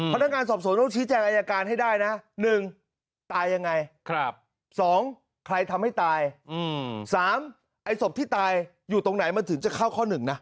พนักงานสอบสวนต้องชี้แจงอายการให้ได้นะ๑ตายยังไง๒ใครทำให้ตาย๓ไอ้ศพที่ตายอยู่ตรงไหนมันถึงจะเข้าข้อ๑นะ